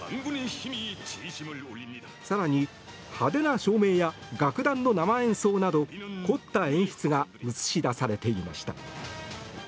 更に、派手な照明や楽団の生演奏など凝った演出が映し出されていました。